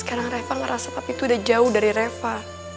sekarang reva ngerasa papi tuh udah jauh dari reva